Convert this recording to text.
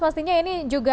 pastinya ini juga